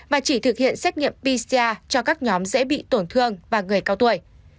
và chỉ thực hiện xét nghiệm pcr cho các nhóm dễ bị tổn thương và người cao tuổi